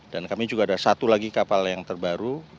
dan kami juga ada satu lagi kapal yang terbaru